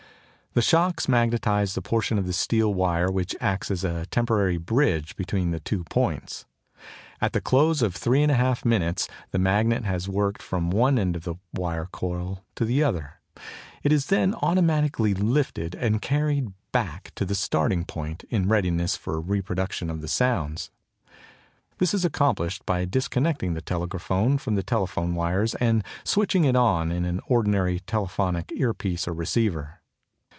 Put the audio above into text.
The shocks magnetise the portion of steel wire which acts as a temporary bridge between the two points. At the close of three and a half minutes the magnet has worked from one end of the wire coil to the other; it is then automatically lifted and carried back to the starting point in readiness for reproduction of the sounds. This is accomplished by disconnecting the telegraphone from the telephone wires and switching it on to an ordinary telephonic earpiece or receiver.